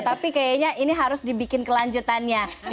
tapi kayaknya ini harus dibikin kelanjutannya